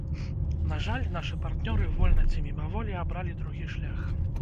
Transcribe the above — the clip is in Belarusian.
На жаль, нашы партнёры вольна ці мімаволі абралі другі шлях.